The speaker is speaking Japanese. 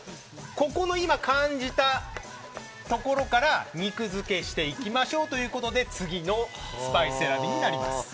ここの感じたところから肉付けしていきましょうということで次のスパイス選びになります。